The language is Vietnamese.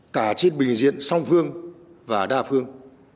cả trên bình diện song phương và đa phương